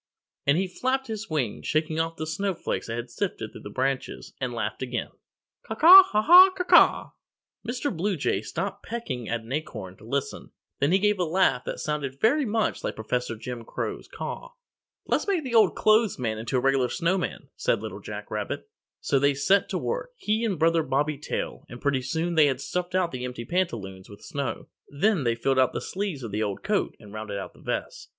And he flapped his wings, shaking off the snowflakes that had sifted through the branches, and laughed again, "Caw, caw, haw, haw, caw, caw!" Mr. Blue Jay stopped pecking at an acorn to listen. Then he gave a laugh that sounded very much like Professor Jim Crow's "Caw!" [Illustration: They Stuffed the Scarecrow With Snow. Little Jack Rabbit and Danny Fox. Page 99] "Let's make the Old Clothes Man into a regular Snowman," said Little Jack Rabbit. So they set to work, he and Brother Bobby Tail, and pretty soon they had stuffed out the empty pantaloons with snow. Then they filled the sleeves of the old coat and rounded out the vest.